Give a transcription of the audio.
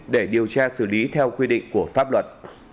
để điều tra xử lý theo quy định của pháp luật